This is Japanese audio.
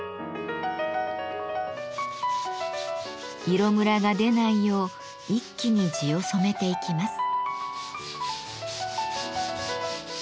色むらが出ないよう一気に地を染めていきます。